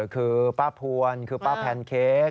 คือป้าพวนคือป้าแพนเค้ก